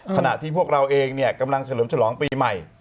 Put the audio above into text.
ขณะที่พวกเราเองกำลังเฉลิมฉลองปีใหม่